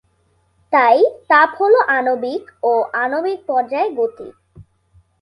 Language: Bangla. তাই, তাপ হল আণবিক ও আণবিক পর্যায়ে গতি।